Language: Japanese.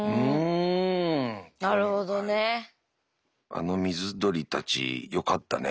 あの水鳥たちよかったね。